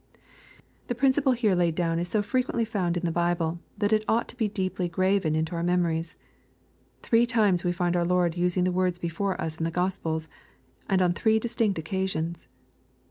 The principle here laid down is so frequently found in the Bible, that it ought to be deeply graven in our memories. Three times we find our Lord using the words before us in the Gospels, and on three distinct occasions.